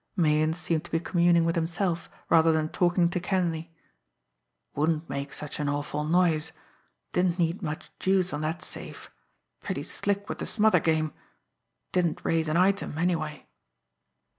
Meighan seemed to be communing with himself, rather than talking to Kenleigh. "Wouldn't make such an awful noise didn't need much juice on that safe pretty slick with the smother game didn't raise an item, anyway."